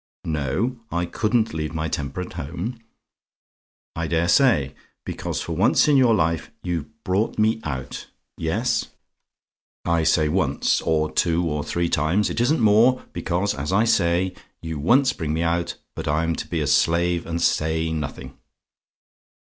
"No; I COULDN'T leave my temper at home. I dare say! Because for once in your life you've brought me out yes, I say once, or two or three times, it isn't more; because, as I say, you once bring me out, I'm to be a slave and say nothing.